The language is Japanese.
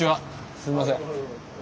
すいません。